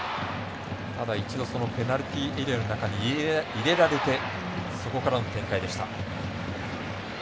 一度ペナルティーエリアの中に入れられてそこからの展開でした。